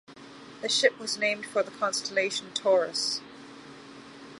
The ship was named for the constellation Taurus.